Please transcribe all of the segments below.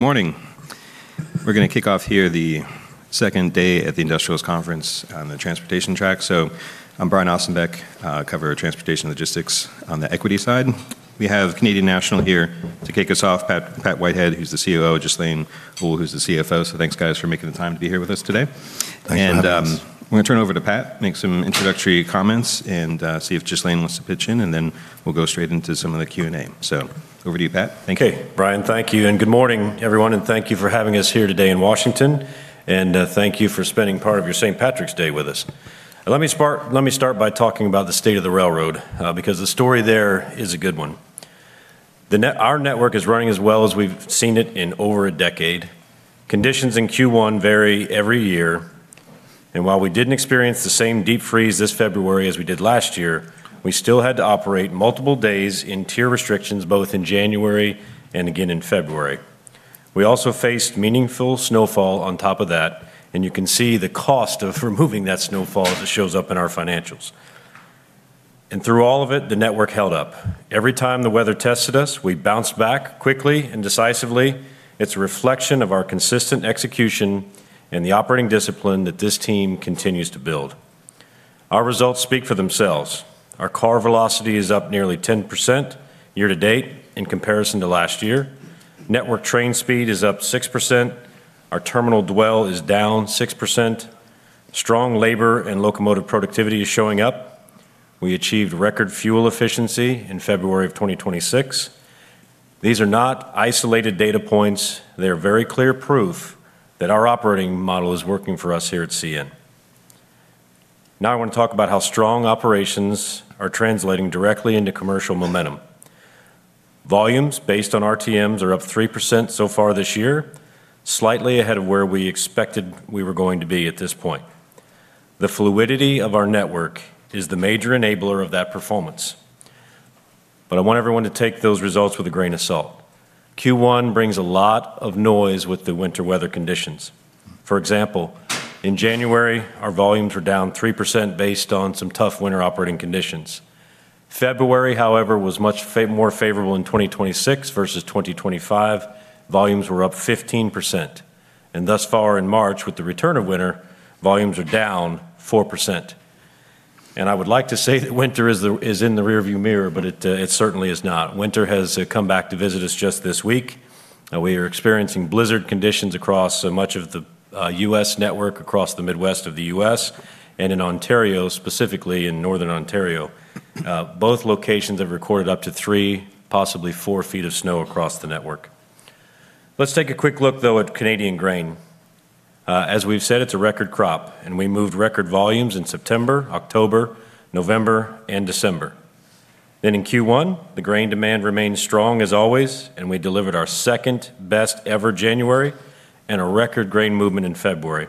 Good morning. We're gonna kick off here the second day at the Industrials Conference on the transportation track. I'm Brian Ossenbeck. I cover transportation logistics on the equity side. We have Canadian National here to kick us off. Patrick Whitehead, who's the COO, Ghislain Houle, who's the CFO. Thanks, guys, for making the time to be here with us today. Thanks for having us. I'm gonna turn it over to Pat, make some introductory comments and, see if Ghislain wants to pitch in, and then we'll go straight into some of the Q&A. Over to you, Pat. Thank you. Okay. Brian, thank you, and good morning, everyone, and thank you for having us here today in Washington. Thank you for spending part of your St. Patrick's Day with us. Let me start by talking about the state of the railroad, because the story there is a good one. Our network is running as well as we've seen it in over a decade. Conditions in Q1 vary every year. While we didn't experience the same deep freeze this February as we did last year, we still had to operate multiple days in tier restrictions, both in January and again in February. We also faced meaningful snowfall on top of that, and you can see the cost of removing that snowfall as it shows up in our financials. Through all of it, the network held up. Every time the weather tested us, we bounced back quickly and decisively. It's a reflection of our consistent execution and the operating discipline that this team continues to build. Our results speak for themselves. Our car velocity is up nearly 10% year-to-date in comparison to last year. Network train speed is up 6%. Our terminal dwell is down 6%. Strong labor and locomotive productivity is showing up. We achieved record fuel efficiency in February of 2026. These are not isolated data points. They are very clear proof that our operating model is working for us here at CN. Now I want to talk about how strong operations are translating directly into commercial momentum. Volumes based on RTMs are up 3% so far this year, slightly ahead of where we expected we were going to be at this point. The fluidity of our network is the major enabler of that performance. I want everyone to take those results with a grain of salt. Q1 brings a lot of noise with the winter weather conditions. For example, in January, our volumes were down 3% based on some tough winter operating conditions. February, however, was much more favorable in 2026 versus 2025. Volumes were up 15%. Thus far in March, with the return of winter, volumes are down 4%. I would like to say that winter is in the rearview mirror, but it certainly is not. Winter has come back to visit us just this week. We are experiencing blizzard conditions across much of the U.S. network, across the Midwest of the U.S., and in Ontario, specifically in northern Ontario. Both locations have recorded up to 3 ft, possibly 4 ft of snow across the network. Let's take a quick look, though, at Canadian grain. As we've said, it's a record crop, and we moved record volumes in September, October, November, and December. In Q1, the grain demand remained strong as always, and we delivered our second-best-ever January and a record grain movement in February.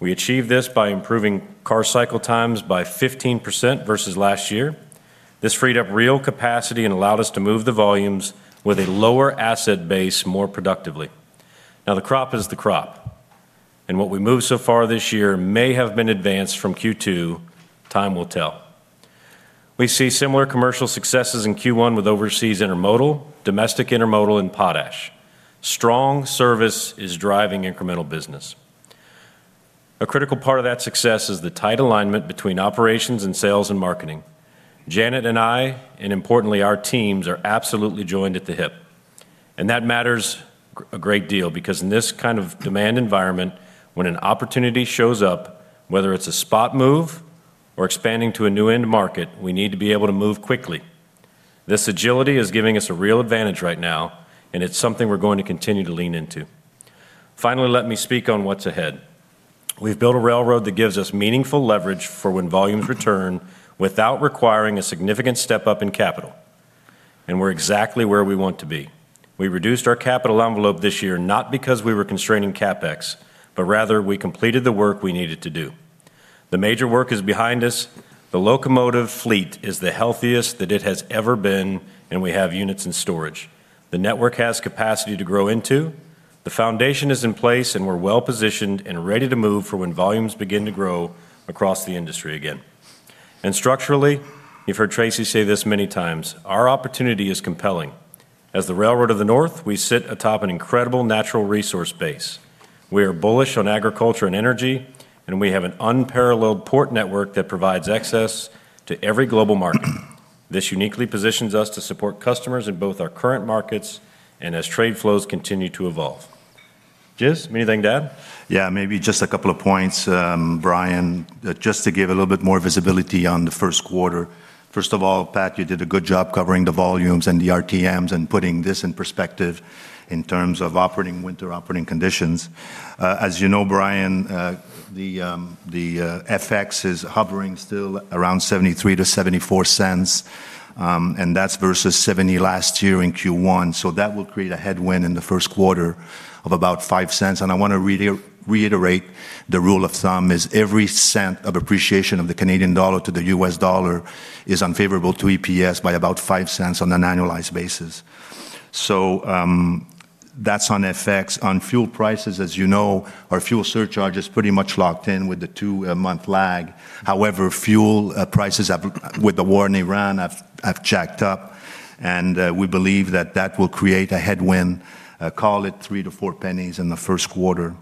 We achieved this by improving car cycle times by 15% versus last year. This freed up real capacity and allowed us to move the volumes with a lower asset base more productively. Now, the crop is the crop, and what we moved so far this year may have been advanced from Q2. Time will tell. We see similar commercial successes in Q1 with overseas intermodal, domestic intermodal, and potash. Strong service is driving incremental business. A critical part of that success is the tight alignment between operations and sales and marketing. Janet and I, and importantly our teams, are absolutely joined at the hip. That matters a great deal because in this kind of demand environment, when an opportunity shows up, whether it's a spot move or expanding to a new end market, we need to be able to move quickly. This agility is giving us a real advantage right now, and it's something we're going to continue to lean into. Finally, let me speak on what's ahead. We've built a railroad that gives us meaningful leverage for when volumes return without requiring a significant step-up in capital, and we're exactly where we want to be. We reduced our capital envelope this year not because we were constraining CapEx, but rather we completed the work we needed to do. The major work is behind us. The locomotive fleet is the healthiest that it has ever been, and we have units in storage. The network has capacity to grow into. The foundation is in place, and we're well-positioned and ready to move for when volumes begin to grow across the industry again. Structurally, you've heard Tracy say this many times, our opportunity is compelling. As the railroad of the North, we sit atop an incredible natural resource base. We are bullish on agriculture and energy, and we have an unparalleled port network that provides access to every global market. This uniquely positions us to support customers in both our current markets and as trade flows continue to evolve. Ghislain, anything to add? Yeah, maybe just a couple of points, Brian, just to give a little bit more visibility on the first quarter. First of all, Pat, you did a good job covering the volumes and the RTMs and putting this in perspective in terms of winter operating conditions. As you know, Brian, the FX is hovering still around 0.73-0.74, and that's versus 70 last year in Q1. That will create a headwind in the first quarter of about 0.05. I wanna reiterate the rule of thumb is every cent of appreciation of the Canadian dollar to the U.S. dollar is unfavorable to EPS by about 0.05 On an annualized basis. That's on FX. On fuel prices, as you know, our fuel surcharge is pretty much locked in with the two month lag. However, fuel prices have jacked up with the war in Iran, and we believe that will create a headwind, call it 0.03-0.04 in the first quarter.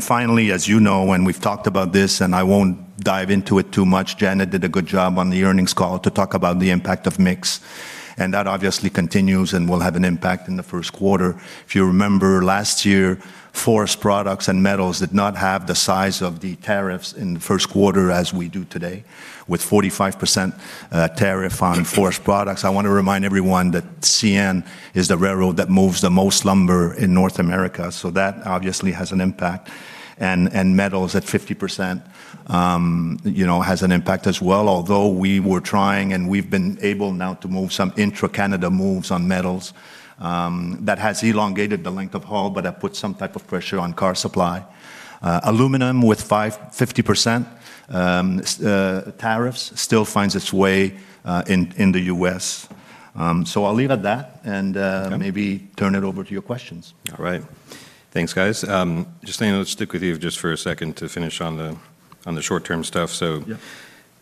Finally, as you know, and we've talked about this, and I won't dive into it too much, Janet did a good job on the earnings call to talk about the impact of mix, and that obviously continues and will have an impact in the first quarter. If you remember last year, forest products and metals did not have the size of the tariffs in the first quarter as we do today with 45% tariff on forest products. I want to remind everyone that CN is the railroad that moves the most lumber in North America, so that obviously has an impact. Metals at 50%, you know, has an impact as well. Although we were trying, and we've been able now to move some intra-Canada moves on metals, that has elongated the length of haul but have put some type of pressure on car supply. Aluminum with 50% tariffs still finds its way in the U.S. I'll leave at that. Okay. Maybe turn it over to your questions. All right. Thanks, guys. Just letting you know, let's stick with you just for a second to finish on the short-term stuff. Yeah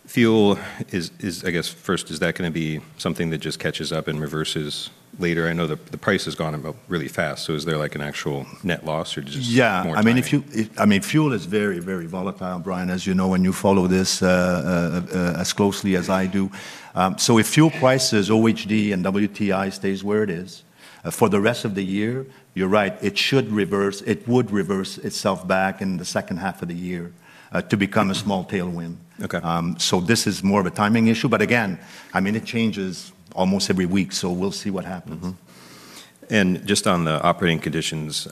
Fuel is, I guess first, is that gonna be something that just catches up and reverses later? I know the price has gone up really fast. Is there like an actual net loss or just more. Yeah. I mean, fuel is very, very volatile, Brian, as you know, and you follow this as closely as I do. If fuel prices, OPEC and WTI stays where it is for the rest of the year, you're right, it should reverse. It would reverse itself back in the second half of the year to become a small tailwind. Okay. This is more of a timing issue, but again, I mean, it changes almost every week, so we'll see what happens. Just on the operating conditions,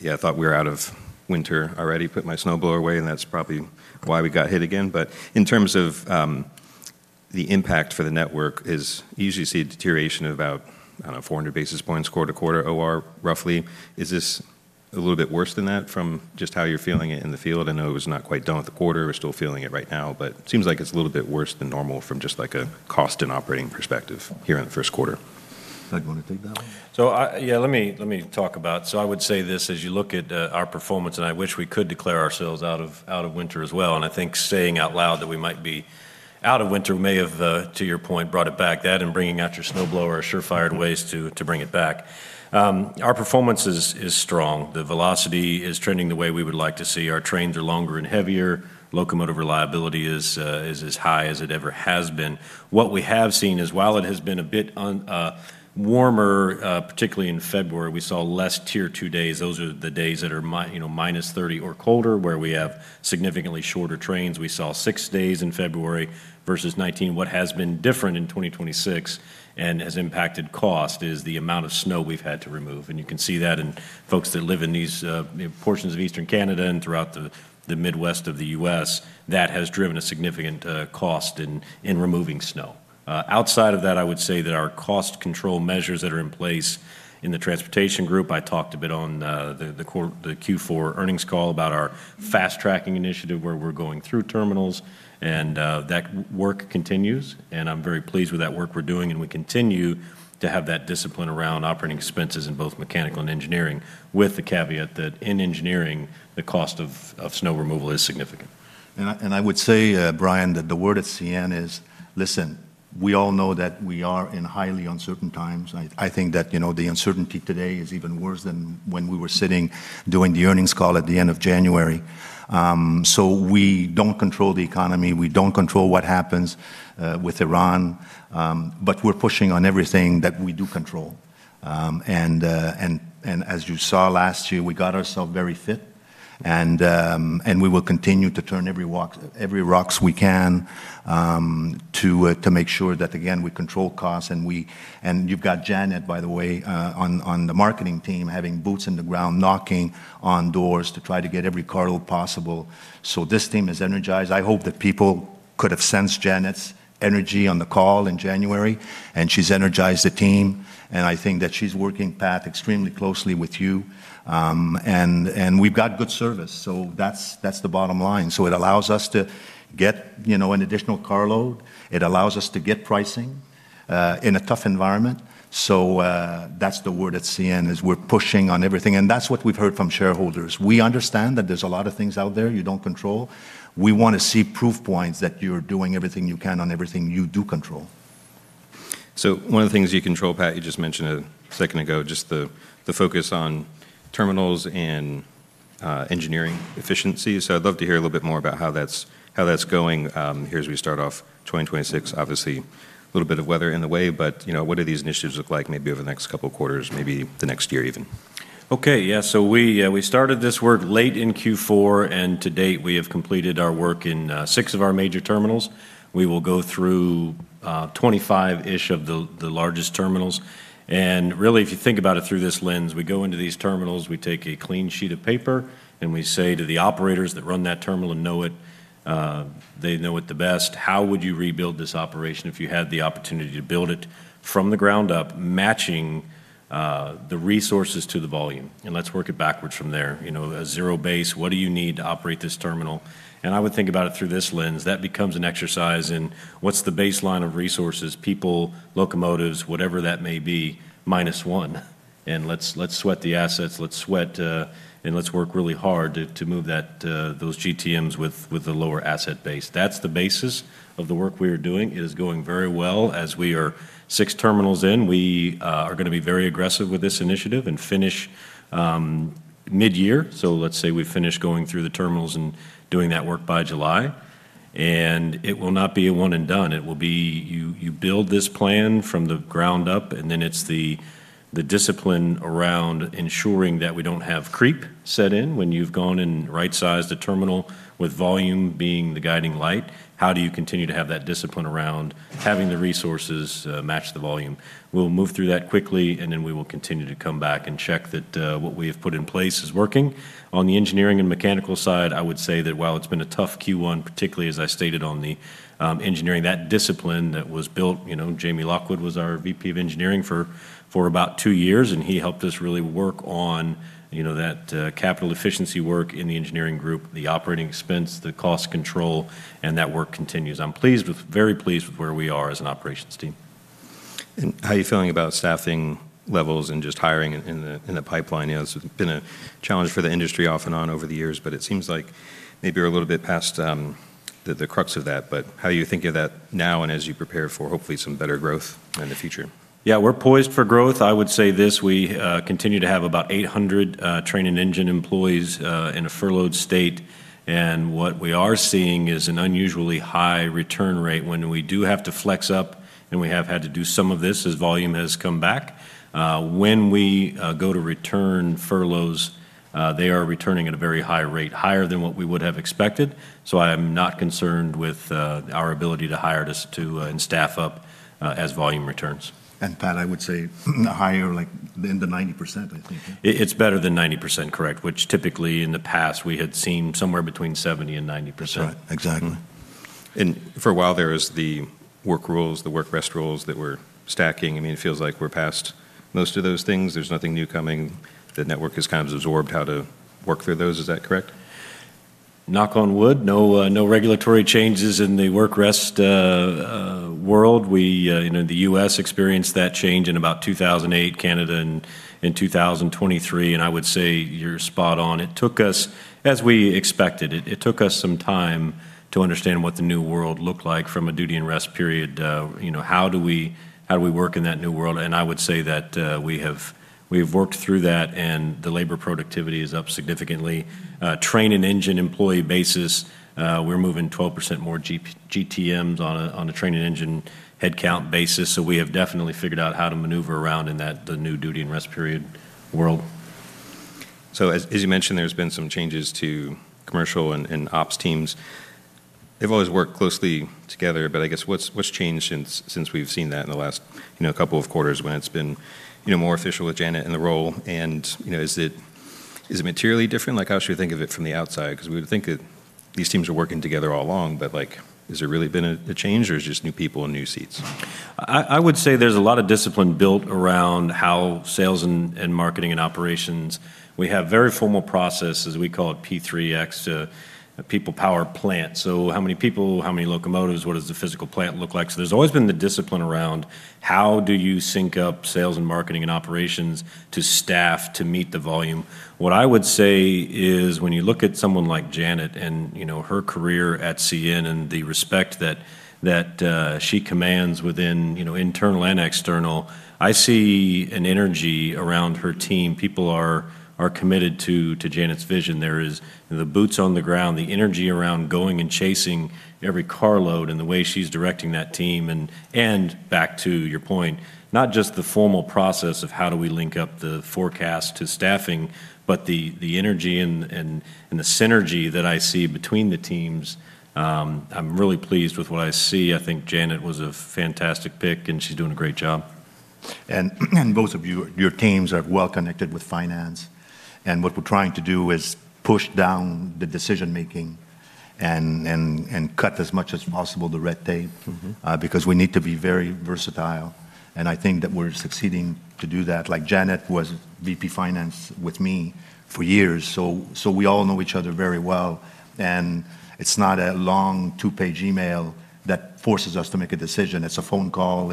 yeah, I thought we were out of winter already, put my snowblower away, and that's probably why we got hit again. In terms of the impact for the network, you usually see a deterioration of about, I don't know, 400 basis points quarter-to-quarter OR roughly. Is this a little bit worse than that from just how you're feeling it in the field? I know it was not quite done with the quarter. We're still feeling it right now, but it seems like it's a little bit worse than normal from just like a cost and operating perspective here in the first quarter. Patrick Whitehead, you wanna take that one? I would say this, as you look at our performance, and I wish we could declare ourselves out of winter as well, and I think saying out loud that we might be out of winter may have, to your point, brought it back. That and bringing out your snowblower are surefire ways to bring it back. Our performance is strong. The velocity is trending the way we would like to see. Our trains are longer and heavier. Locomotive reliability is as high as it ever has been. What we have seen is while it has been a bit warmer, particularly in February, we saw less Tier 2 days. Those are the days that are, you know, -30 or colder, where we have significantly shorter trains. We saw six days in February versus 19. What has been different in 2026 and has impacted cost is the amount of snow we've had to remove. You can see that in folks that live in these portions of eastern Canada and throughout the Midwest of the U.S.. That has driven a significant cost in removing snow. Outside of that, I would say that our cost control measures that are in place in the transportation group. I talked a bit on the Q4 earnings call about our fast-tracking initiative where we're going through terminals and that work continues, and I'm very pleased with that work we're doing, and we continue to have that discipline around operating expenses in both mechanical and engineering with the caveat that in engineering, the cost of snow removal is significant. I would say, Brian, that the word at CN is, listen, we all know that we are in highly uncertain times. I think that, you know, the uncertainty today is even worse than when we were sitting doing the earnings call at the end of January. We don't control the economy. We don't control what happens with Iran. We're pushing on everything that we do control. As you saw last year, we got ourself very fit and we will continue to turn every rock we can to make sure that again, we control costs. You've got Janet, by the way, on the marketing team having boots in the ground knocking on doors to try to get every carload possible. This team is energized. I hope that people could have sensed Janet's energy on the call in January, and she's energized the team, and I think that she's working, Pat, extremely closely with you. We've got good service, so that's the bottom line. It allows us to get, you know, an additional carload. It allows us to get pricing in a tough environment. That's the word at CN is we're pushing on everything, and that's what we've heard from shareholders. We understand that there's a lot of things out there you don't control. We wanna see proof points that you're doing everything you can on everything you do control. One of the things you control, Pat, you just mentioned a second ago, just the focus on terminals and engineering efficiency. I'd love to hear a little bit more about how that's going here as we start off 2026. Obviously, a little bit of weather in the way, but you know, what do these initiatives look like maybe over the next couple quarters, maybe the next year even? Okay. Yeah. We started this work late in Q4, and to date, we have completed our work in six of our major terminals. We will go through 25-ish of the largest terminals. Really, if you think about it through this lens, we go into these terminals, we take a clean sheet of paper, and we say to the operators that run that terminal and know it, they know it the best, "How would you rebuild this operation if you had the opportunity to build it from the ground up, matching the resources to the volume? And let's work it backwards from there. You know, a zero base, what do you need to operate this terminal?" I would think about it through this lens. That becomes an exercise in what's the baseline of resources, people, locomotives, whatever that may be, -1, and let's sweat the assets. Let's sweat, and let's work really hard to move those GTMs with a lower asset base. That's the basis of the work we are doing. It is going very well. As we are six terminals in, we are gonna be very aggressive with this initiative and finish mid-year. Let's say we finish going through the terminals and doing that work by July. It will not be a one and done. It will be you build this plan from the ground up, and then it's the discipline around ensuring that we don't have creep set in. When you've gone and right-sized a terminal with volume being the guiding light, how do you continue to have that discipline around having the resources match the volume? We'll move through that quickly, and then we will continue to come back and check that what we have put in place is working. On the engineering and mechanical side, I would say that while it's been a tough Q1, particularly as I stated on the engineering, that discipline that was built. You know, Jamie Lockwood was our VP of engineering for about two years, and he helped us really work on, you know, that capital efficiency work in the engineering group. The operating expense, the cost control, and that work continues. I'm very pleased with where we are as an operations team. How are you feeling about staffing levels and just hiring in the pipeline? You know, it's been a challenge for the industry off and on over the years, but it seems like maybe you're a little bit past the crux of that. How are you thinking of that now and as you prepare for hopefully some better growth in the future? Yeah, we're poised for growth. I would say this. We continue to have about 800 train and engine employees in a furloughed state. What we are seeing is an unusually high return rate. When we do have to flex up, and we have had to do some of this as volume has come back. When we go to return furloughs, they are returning at a very high rate. Higher than what we would have expected. I am not concerned with our ability to hire this too and staff up as volume returns. Pat, I would say higher, like, in the 90%, I think. It's better than 90% correct, which typically in the past we had seen somewhere between 70% and 90%. That's right. Exactly. For a while, there was the work rules, the work rest rules that were stacking. I mean, it feels like we're past most of those things. There's nothing new coming. The network has kind of absorbed how to work through those. Is that correct? Knock on wood. No, no regulatory changes in the work-rest world. We, you know, the U.S. experienced that change in about 2008. Canada in 2023. I would say you're spot on. As we expected, it took us some time to understand what the new world looked like from a duty and rest period. You know, how do we work in that new world? I would say that we have worked through that, and the labor productivity is up significantly. Train and engine employee basis, we're moving 12% more GTMs on a train and engine headcount basis. So we have definitely figured out how to maneuver around in that, the new duty and rest period world. As you mentioned, there's been some changes to commercial and ops teams. They've always worked closely together, but I guess what's changed since we've seen that in the last, you know, couple of quarters when it's been, you know, more official with Janet in the role? You know, is it materially different? Like, how should we think of it from the outside? Because we would think that these teams are working together all along, but, like, has there really been a change, or it's just new people in new seats? I would say there's a lot of discipline built around how sales and marketing and operations. We have very formal processes. We call it P3X to people, power, plant. So how many people? How many locomotives? What does the physical plant look like? There's always been the discipline around how do you sync up sales and marketing and operations to staff to meet the volume. What I would say is when you look at someone like Janet and, you know, her career at CN and the respect that she commands within, you know, internal and external. I see an energy around her team. People are committed to Janet's vision. There is the boots on the ground, the energy around going and chasing every carload and the way she's directing that team. Back to your point, not just the formal process of how do we link up the forecast to staffing, but the energy and the synergy that I see between the teams. I'm really pleased with what I see. I think Janet was a fantastic pick, and she's doing a great job. Both of you, your teams are well connected with finance. What we're trying to do is push down the decision-making and cut as much as possible the red tape. Mm-hmm. Because we need to be very versatile. I think that we're succeeding to do that. Like, Janet was VP finance with me for years, so we all know each other very well. It's not a long two-page email that forces us to make a decision. It's a phone call.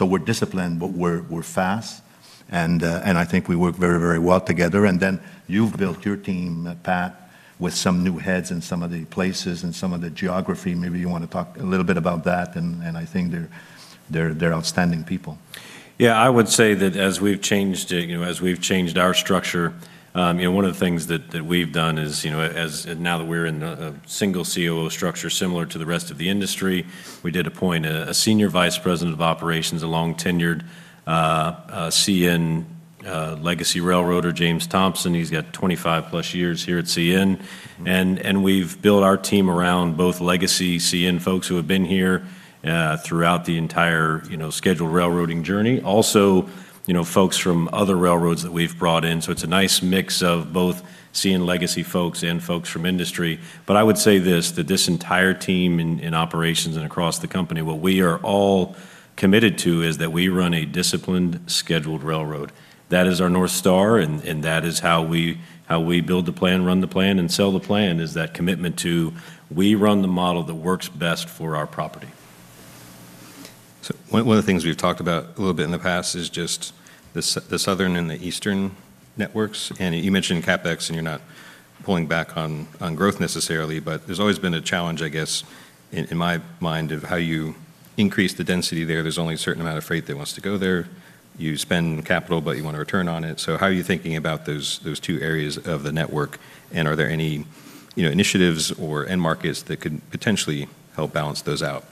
We're disciplined, but we're fast. I think we work very, very well together. Then you've built your team, Pat, with some new heads in some of the places and some of the geography. Maybe you want to talk a little bit about that. I think they're outstanding people. Yeah. I would say that as we've changed our structure, you know, one of the things that we've done is, you know, as now that we're in a single COO structure similar to the rest of the industry. We did appoint a Senior Vice President of Operations, a long-tenured CN legacy railroader, James Thompson. He's got 25+ years here at CN. We've built our team around both legacy CN folks who have been here throughout the entire, you know, scheduled railroading journey. Also, you know, folks from other railroads that we've brought in. It's a nice mix of both CN legacy folks and folks from industry. I would say this, that this entire team in operations and across the company, what we are all committed to is that we run a disciplined, scheduled railroad. That is our North Star, and that is how we build the plan, run the plan, and sell the plan is that commitment to we run the model that works best for our property. One of the things we've talked about a little bit in the past is just the Southern and the Eastern networks. You mentioned CapEx, and you're not pulling back on growth necessarily. There's always been a challenge, I guess, in my mind, of how you increase the density there. There's only a certain amount of freight that wants to go there. You spend capital, but you want a return on it. How are you thinking about those two areas of the network? Are there any, you know, initiatives or end markets that could potentially help balance those out?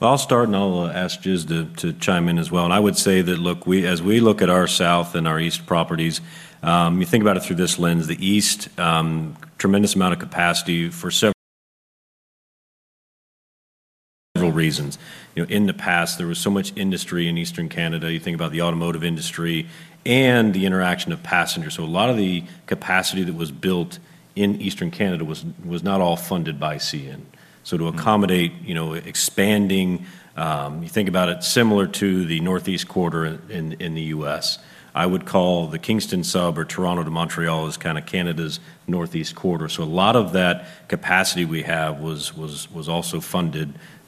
Well, I'll start, and I'll ask Ghislain Houle to chime in as well. I would say that, look, as we look at our South and our East properties, you think about it through this lens. The East, tremendous amount of capacity for several reasons. You know, in the past, there was so much industry in Eastern Canada. You think about the automotive industry and the interaction of passengers. A lot of the capacity that was built in Eastern Canada was also funded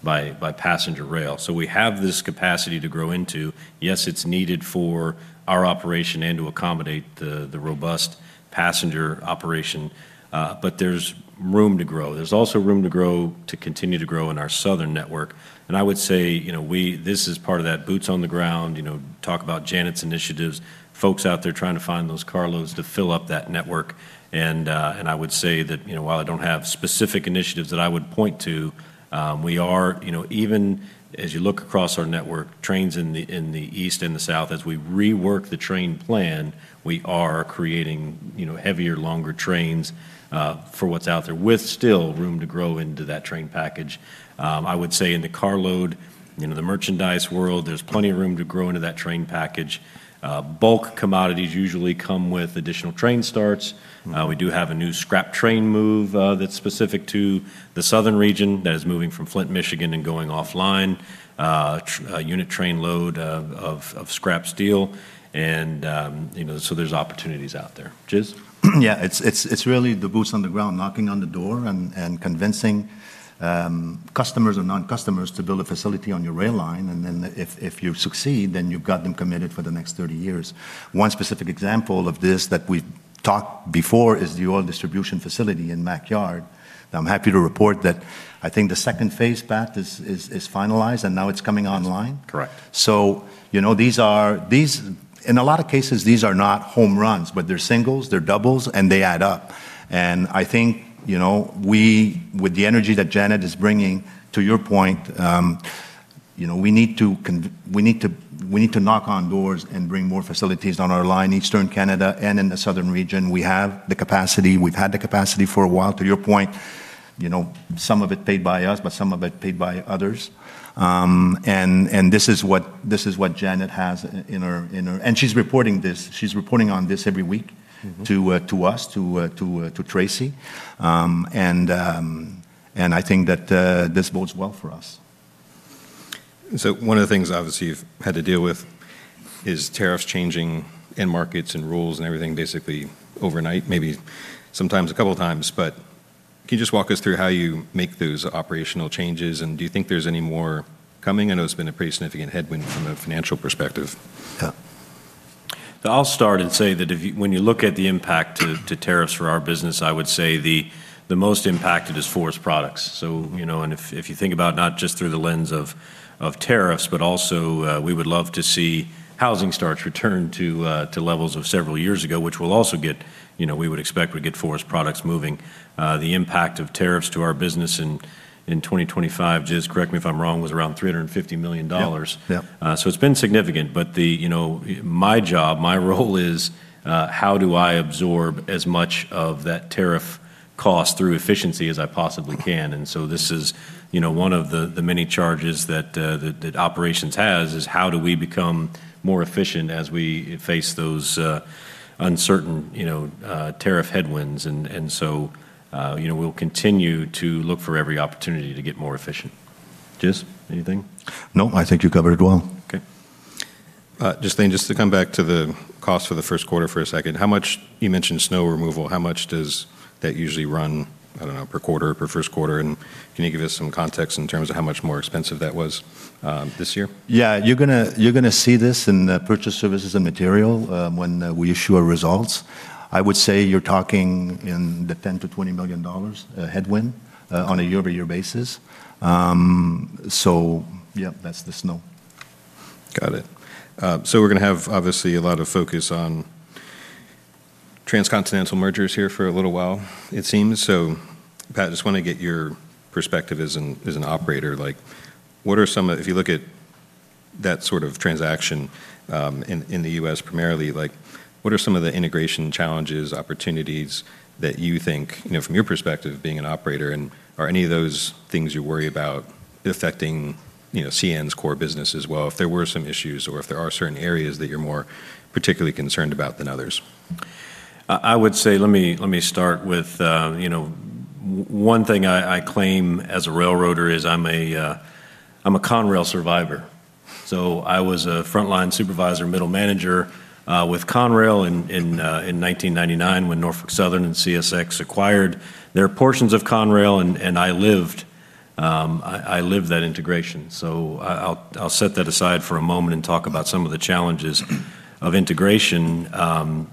by passenger rail. We have this capacity to grow into. Yes, it's needed for our operation and to accommodate the robust passenger operation. But there's room to grow. There's also room to grow to continue to grow in our southern network. I would say, you know, this is part of that boots on the ground. You know, talk about Janet's initiatives. Folks out there trying to find those carloads to fill up that network. I would say that, you know, while I don't have specific initiatives that I would point to, we are. You know, even as you look across our network, trains in the East and the South, as we rework the train plan, we are creating, you know, heavier, longer trains for what's out there, with still room to grow into that train package. I would say in the carload, you know, the merchandise world, there's plenty of room to grow into that train package. Bulk commodities usually come with additional train starts. We do have a new scrap train move, that's specific to the southern region that is moving from Flint, Michigan, and going offline. A unit train load of scrap steel. You know, there's opportunities out there. Ghislain Houle. Yeah. It's really the boots on the ground. Knocking on the door and convincing customers or non-customers to build a facility on your rail line. If you succeed, then you've got them committed for the next 30 years. One specific example of this that we've talked before is the oil distribution facility in Mac Yard. Now, I'm happy to report that I think the second phase, Pat, is finalized, and now it's coming online. Correct. You know, in a lot of cases, these are not home runs, but they're singles, they're doubles, and they add up. I think, you know, with the energy that Janet is bringing, to your point, you know, we need to knock on doors and bring more facilities on our line, Eastern Canada and in the southern region. We have the capacity. We've had the capacity for a while. To your point, you know, some of it paid by us, but some of it paid by others. This is what Janet has in her. She's reporting this. She's reporting on this every week. Mm-hmm To us, to Tracy. I think that this bodes well for us. One of the things, obviously, you've had to deal with is tariffs changing in markets and rules and everything basically overnight. Maybe sometimes a couple times. Can you just walk us through how you make those operational changes? Do you think there's any more coming? I know it's been a pretty significant headwind from a financial perspective. Yeah. I'll start and say that when you look at the impact of tariffs for our business, I would say the most impacted is forest products. You know, if you think about not just through the lens of tariffs, but also, we would love to see housing starts return to levels of several years ago, which will also get forest products moving. You know, we would expect to get forest products moving. The impact of tariffs on our business in 2025, Ghislain, correct me if I'm wrong, was around 350 million dollars. Yep. Yep. It's been significant. The, you know, my job, my role is, how do I absorb as much of that tariff cost through efficiency as I possibly can. This is, you know, one of the many charges that operations has is how do we become more efficient as we face those uncertain, you know, tariff headwinds. You know, we'll continue to look for every opportunity to get more efficient. Ghislain, anything? No, I think you covered it well. Okay. Just then, just to come back to the cost for the first quarter for a second. How much? You mentioned snow removal. How much does that usually run, I don't know, per quarter, per first quarter? Can you give us some context in terms of how much more expensive that was, this year? Yeah. You're gonna see this in the purchased services and material when we issue our results. I would say you're talking 10 million-20 million dollars headwind on a year-over-year basis. That's the snow. Got it. We're gonna have obviously a lot of focus on transcontinental mergers here for a little while, it seems. Pat, just wanna get your perspective as an operator. Like, if you look at that sort of transaction in the U.S. primarily, like, what are some of the integration challenges, opportunities that you think, you know, from your perspective being an operator, and are any of those things you worry about affecting, you know, CN's core business as well, if there were some issues or if there are certain areas that you're more particularly concerned about than others? I would say let me start with you know one thing I claim as a railroader is I'm a Conrail survivor. I was a frontline supervisor, middle manager with Conrail in 1999 when Norfolk Southern and CSX acquired their portions of Conrail, and I lived that integration. I'll set that aside for a moment and talk about some of the challenges of integration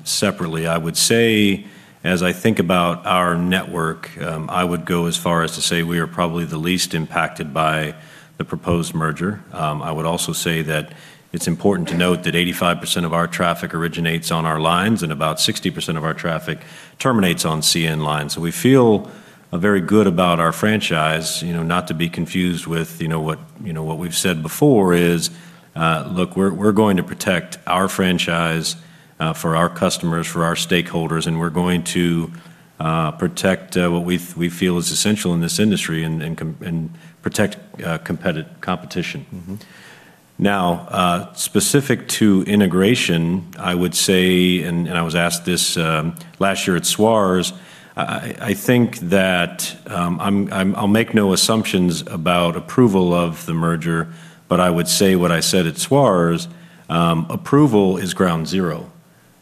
separately. I would say as I think about our network I would go as far as to say we are probably the least impacted by the proposed merger. I would also say that it's important to note that 85% of our traffic originates on our lines, and about 60% of our traffic terminates on CN lines. We feel very good about our franchise, you know, not to be confused with what we've said before is, look, we're going to protect our franchise for our customers, for our stakeholders, and we're going to protect what we feel is essential in this industry and protect competition. Mm-hmm. Now, specific to integration, I would say, I was asked this last year at SWARS. I think that I'll make no assumptions about approval of the merger, but I would say what I said at SWARS, approval is ground zero.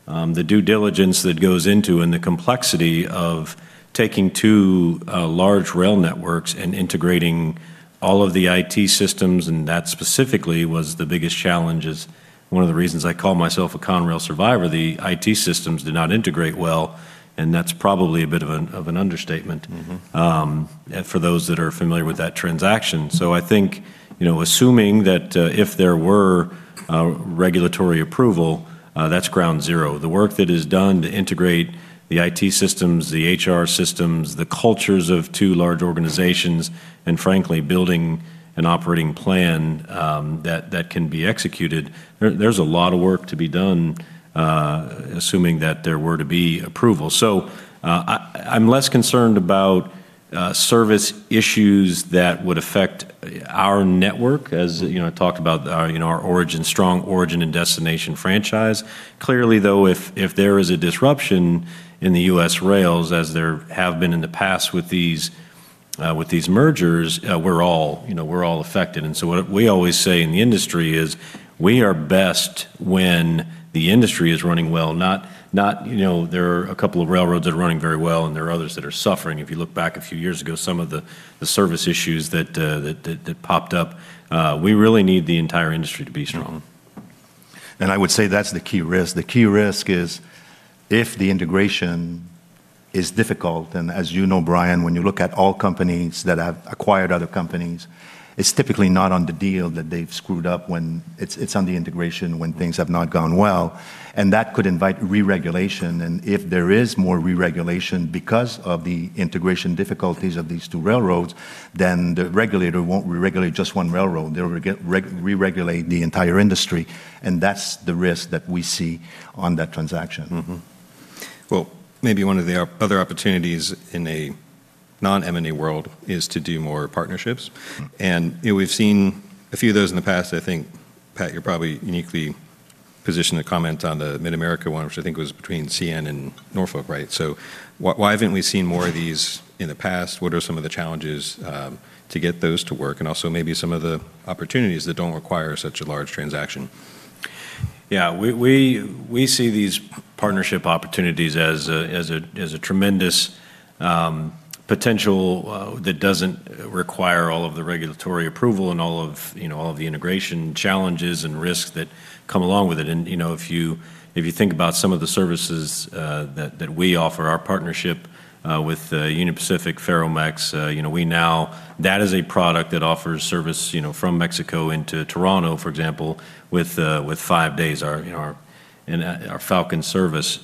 The due diligence that goes into and the complexity of taking two large rail networks and integrating all of the IT systems and that specifically was the biggest challenge is one of the reasons I call myself a Conrail survivor. The IT systems did not integrate well, and that's probably a bit of an understatement. Mm-hmm And for those that are familiar with that transaction. I think, you know, assuming that, if there were, regulatory approval, that's ground zero. The work that is done to integrate the IT systems, the HR systems, the cultures of two large organizations, and frankly building an operating plan, that can be executed, there's a lot of work to be done, assuming that there were to be approval. I'm less concerned about, service issues that would affect, our network, as, you know, I talked about our, you know, our origin, strong origin and destination franchise. Clearly though, if there is a disruption in the U.S. rails as there have been in the past with these, with these mergers, we're all, you know, we're all affected. What we always say in the industry is we are best when the industry is running well, not you know, there are a couple of railroads that are running very well, and there are others that are suffering. If you look back a few years ago, some of the service issues that popped up, we really need the entire industry to be strong. I would say that's the key risk. The key risk is if the integration is difficult, and as you know, Brian, when you look at all companies that have acquired other companies, it's typically not on the deal that they've screwed up when it's on the integration when things have not gone well, and that could invite re-regulation. If there is more re-regulation because of the integration difficulties of these two railroads, then the regulator won't re-regulate just one railroad, they'll re-regulate the entire industry, and that's the risk that we see on that transaction. Well, maybe one of the other opportunities in a non-M&A world is to do more partnerships. Mm. You know, we've seen a few of those in the past. I think, Pat, you're probably uniquely positioned to comment on the MidAmerica Corridor, which I think was between CN and Norfolk, right? Why haven't we seen more of these in the past? What are some of the challenges to get those to work? Also maybe some of the opportunities that don't require such a large transaction. Yeah. We see these partnership opportunities as a tremendous potential that doesn't require all of the regulatory approval and all of the integration challenges and risks that come along with it. You know, if you think about some of the services that we offer, our partnership with Union Pacific, Ferromex, you know. That is a product that offers service, you know, from Mexico into Toronto, for example, with five days, our Falcon service.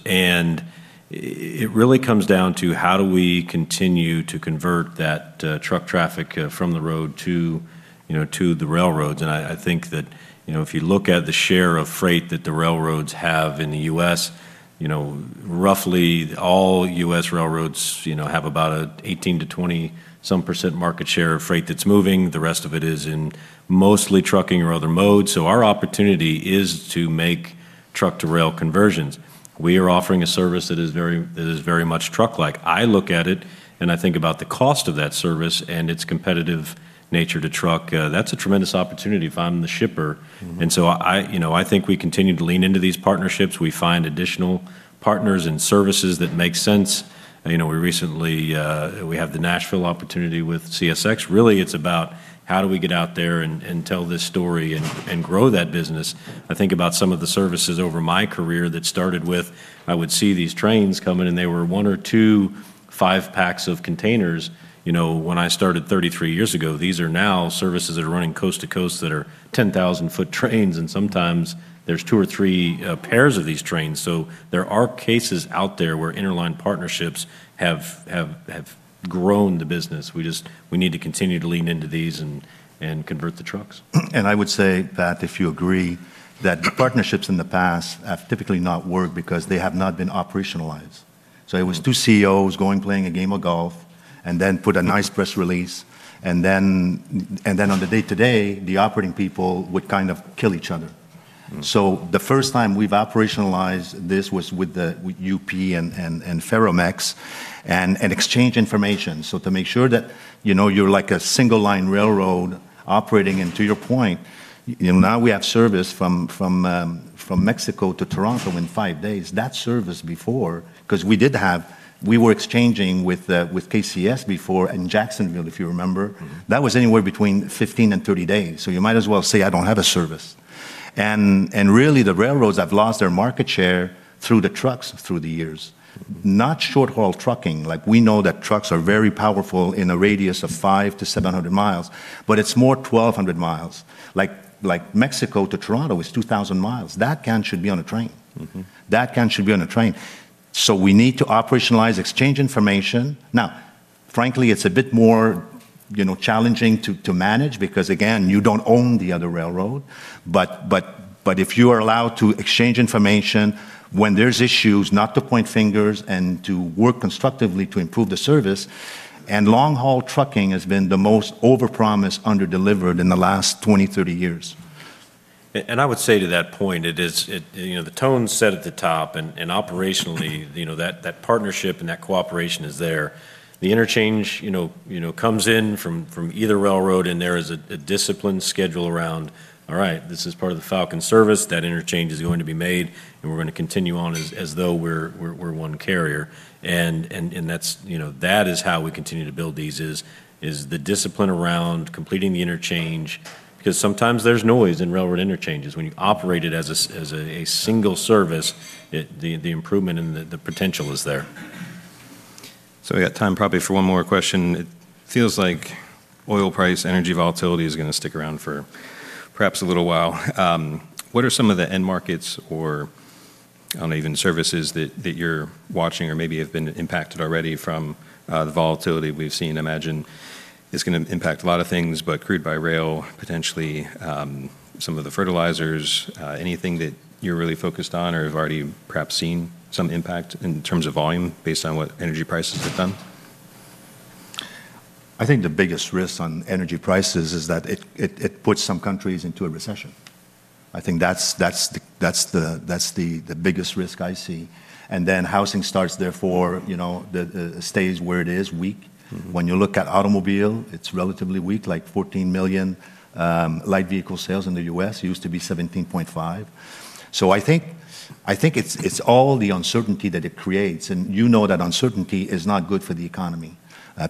It really comes down to how do we continue to convert that truck traffic from the road to, you know, to the railroads. I think that, you know, if you look at the share of freight that the railroads have in the U.S., you know, roughly all U.S. railroads, you know, have about a 18%-20% market share of freight that's moving. The rest of it is in mostly trucking or other modes. Our opportunity is to make truck-to-rail conversions. We are offering a service that is very much truck-like. I look at it and I think about the cost of that service and its competitive nature to truck. That's a tremendous opportunity if I'm the shipper. Mm-hmm. You know, I think we continue to lean into these partnerships. We find additional partners and services that make sense. You know, we recently have the Nashville opportunity with CSX. Really, it's about how do we get out there and tell this story and grow that business. I think about some of the services over my career that started with I would see these trains coming, and they were one or two five-packs of containers. You know, when I started 33 years ago, these are now services that are running coast to coast that are 10,000 ft trains, and sometimes there's two or three pairs of these trains. There are cases out there where interline partnerships have grown the business. We just need to continue to lean into these and convert the trucks. I would say, Pat, if you agree, that partnerships in the past have typically not worked because they have not been operationalized. It was two CEOs going playing a game of golf and then put a nice press release and then on the day-to-day, the operating people would kind of kill each other. The first time we've operationalized this was with UP and Ferromex and exchanged information. To make sure that, you know, you're like a single line railroad operating. To your point, you know, now we have service from Mexico to Toronto in five days. That service before, we were exchanging with KCS before in Jackson, if you remember. Mm-hmm. That was anywhere between 15 and 30 days. You might as well say I don't have a service. Really the railroads have lost their market share to the trucks over the years. Not short-haul trucking. Like, we know that trucks are very powerful in a radius of 500-700 mi, but it's more 1,200 mi. Like, Mexico to Toronto is 2,000 mi. That can, should be on a train. Mm-hmm. That can should be on a train. We need to operationalize exchange information. Now, frankly, it's a bit more, you know, challenging to manage because again, you don't own the other railroad. If you are allowed to exchange information when there's issues, not to point fingers and to work constructively to improve the service. Long-haul trucking has been the most overpromised, underdelivered in the last 20-30 years. I would say to that point, it is, you know, the tone's set at the top and operationally, you know, that partnership and that cooperation is there. The interchange, you know, comes in from either railroad, and there is a disciplined schedule around, all right, this is part of the Falcon service. That interchange is going to be made, and we're gonna continue on as though we're one carrier. That's, you know, that is how we continue to build these, the discipline around completing the interchange. Because sometimes there's noise in railroad interchanges. When you operate it as a single service, it, the improvement and the potential is there. We got time probably for one more question. It feels like oil price, energy volatility is gonna stick around for perhaps a little while. What are some of the end markets or, I don't know, even services that you're watching or maybe have been impacted already from the volatility we've seen? Imagine it's gonna impact a lot of things, but crude by rail, potentially, some of the fertilizers. Anything that you're really focused on or have already perhaps seen some impact in terms of volume based on what energy prices have done? I think the biggest risk on energy prices is that it puts some countries into a recession. I think that's the biggest risk I see. Then housing starts therefore, you know, stays where it is, weak. Mm-hmm. When you look at automobile, it's relatively weak, like 14 million light vehicle sales in the U.S., used to be 17.5. I think it's all the uncertainty that it creates. You know that uncertainty is not good for the economy.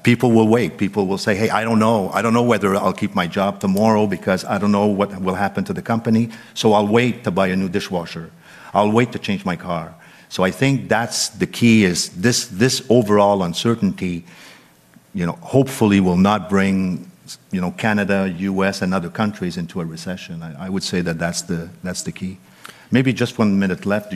People will wait. People will say, "Hey, I don't know. I don't know whether I'll keep my job tomorrow because I don't know what will happen to the company. So I'll wait to buy a new dishwasher. I'll wait to change my car." I think that's the key is this overall uncertainty, you know, hopefully will not bring Canada, U.S. and other countries into a recession. I would say that's the key. Maybe just one minute left.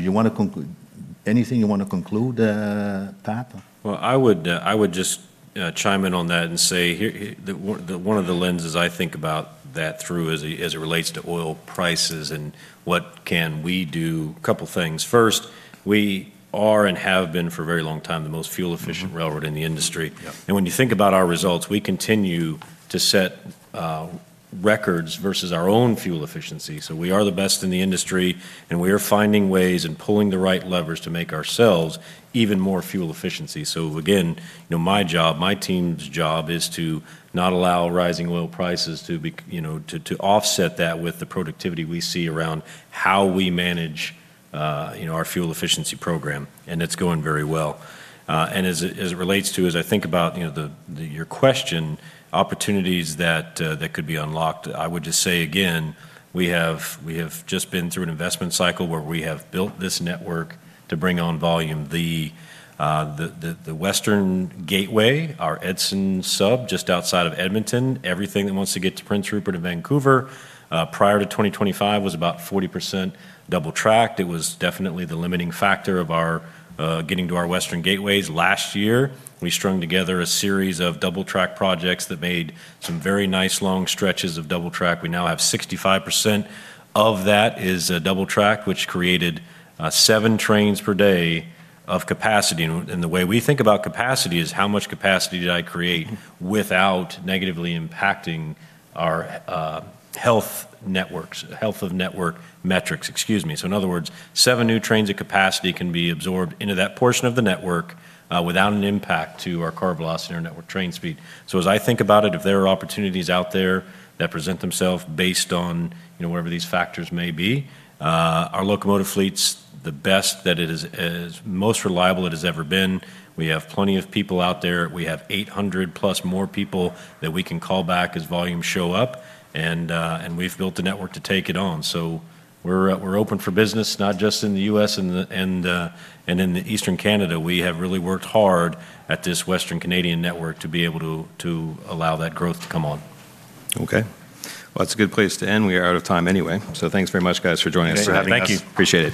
Anything you wanna conclude, Patrick Whitehead? Well, I would just, you know, chime in on that and say hear. One of the lenses I think about that through as it relates to oil prices and what we can do. Couple things. First, we are and have been for a very long time the most fuel efficient railroad in the industry. Yep. When you think about our results, we continue to set records versus our own fuel efficiency. We are the best in the industry, and we are finding ways and pulling the right levers to make ourselves even more fuel efficiency. Again, you know, my job, my team's job is to not allow rising oil prices to be, you know, to offset that with the productivity we see around how we manage our fuel efficiency program, and it's going very well. As it relates to, as I think about your question, opportunities that could be unlocked, I would just say again, we have just been through an investment cycle where we have built this network to bring on volume. The western gateway, our Edson sub just outside of Edmonton, everything that wants to get to Prince Rupert and Vancouver, prior to 2025 was about 40% double-tracked. It was definitely the limiting factor of our getting to our western gateways. Last year, we strung together a series of double track projects that made some very nice long stretches of double track. We now have 65% of that is double track, which created seven trains per day of capacity. The way we think about capacity is how much capacity did I create without negatively impacting our health of network metrics, excuse me. In other words, seven new trains of capacity can be absorbed into that portion of the network without an impact to our car velocity or network train speed. As I think about it, if there are opportunities out there that present themselves based on, you know, wherever these factors may be, our locomotive fleet's the best that it is, as most reliable it has ever been. We have plenty of people out there. We have 800+ more people that we can call back as volumes show up. We've built the network to take it on. We're open for business, not just in the U.S. and in Eastern Canada. We have really worked hard at this Western Canadian network to be able to allow that growth to come on. Okay. Well, that's a good place to end. We are out of time anyway. Thanks very much, guys, for joining us. Thank you for having us. Thank you. Appreciate it.